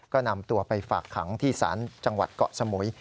ก็นำตัวไปฝากขังที่ศาลจังหวัดเกาะสมุย